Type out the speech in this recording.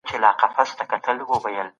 په څېړنه کې له عصري ټکنالوژۍ ګټه واخلئ.